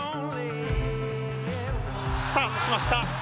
スタートしました。